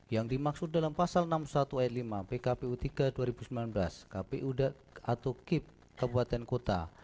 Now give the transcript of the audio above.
yang dimaksud dalam pasal enam puluh satu ayat lima pkpu tiga dua ribu sembilan belas kpu atau kip kabupaten kota